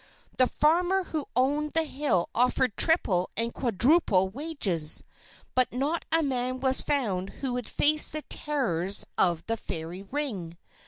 The farmer who owned the hill offered triple and quadruple wages, but not a man was found who would face the terrors of the Fairy Ring.